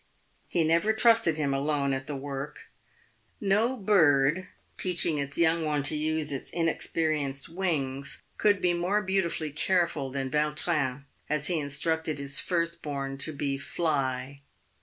He never trusted him alone at the work. No bird teaching its young one to use its inexperienced wings could be more beautifully careful than Vautrin as he instructed his first born to be " fly."